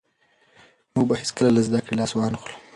موږ به هېڅکله له زده کړې لاس ونه اخلو.